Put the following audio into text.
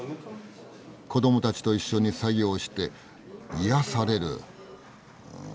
子どもたちと一緒に作業して癒やされるうん